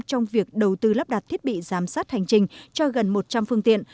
trong việc đầu tư lắp đặt thiết bị giám sát hành trình cho gần một trăm linh phương tiện